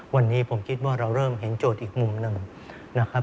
วันนี้ผมคิดว่าเราเริ่มเห็นโจทย์อีกมุมหนึ่งนะครับ